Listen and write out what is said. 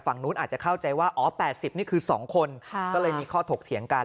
ฝั่งนู้นอาจจะเข้าใจว่าอ๋อ๘๐นี่คือ๒คนก็เลยมีข้อถกเถียงกัน